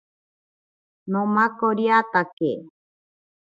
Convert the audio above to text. Nomakoriatake.